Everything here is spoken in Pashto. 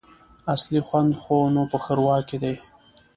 اصلي خوند خو نو په ښوروا کي دی !